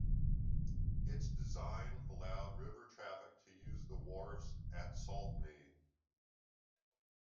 Its design allowed river traffic to use the wharfs at Saltney.